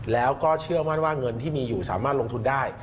แล้วก็เชื่อมั่นว่าเงินที่มีอยู่สามารถลงทุนได้